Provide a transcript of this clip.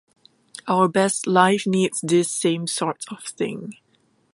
Our best life needs this same sort of thing.